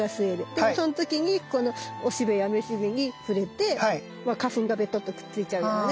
でもその時にこのおしべやめしべに触れて花粉がベトッとくっついちゃうようなね。